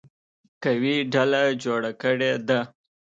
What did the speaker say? قوي ډله جوړه کړې ده.